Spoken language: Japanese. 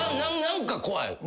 何か怖い。